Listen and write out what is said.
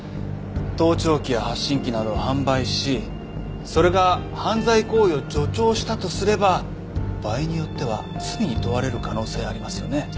盗聴器や発信機などを販売しそれが犯罪行為を助長したとすれば場合によっては罪に問われる可能性ありますよね。